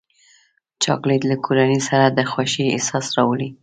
چاکلېټ له کورنۍ سره د خوښۍ احساس راولي.